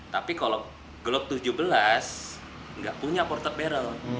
tapi kalau glock tujuh belas nggak punya porteg barrel